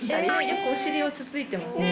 よくお尻をつついてますよね。